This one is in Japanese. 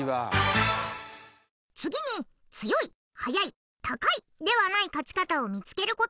次に強い速い高いではない勝ち方を見つけること。